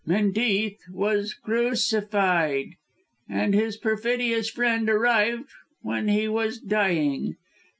Menteith was crucified and his perfidious friend arrived when he was dying.